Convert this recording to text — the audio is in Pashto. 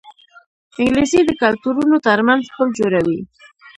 انګلیسي د کلتورونو ترمنځ پل جوړوي